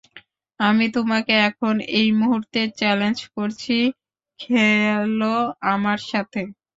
আমি তোমাকে এখন এই মুহূর্তে চ্যালেঞ্জ করছি, খেলো আমার সাথে।